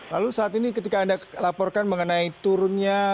lalu saat ini ketika anda laporkan mengenai turunnya